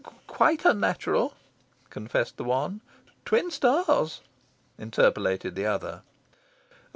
"Quite unnatural," confessed the one. "Twin stars," interpolated the other.